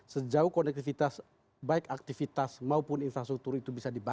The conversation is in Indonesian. sejauh konektivitas baik aktivitas maupun infrastruktur itu bisa dibatasi